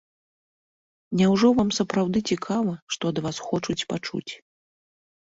Няўжо вам сапраўды цікава, што ад вас хочуць пачуць?